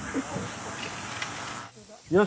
よし！